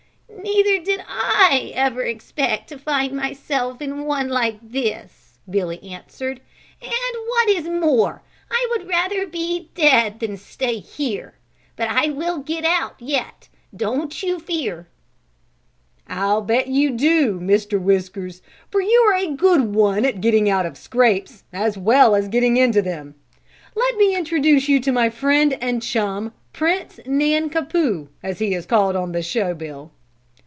"Neither did I ever expect to find myself in one like this," Billy answered, "and what is more, I would rather be dead than stay here. But I will get out yet, don't you fear." "I bet you do, Mr. Whiskers, for you are a good one at getting out of scrapes as well as getting into them. Let me introduce you to my friend and chum, Prince Nan ka poo, as he is called on the show bill."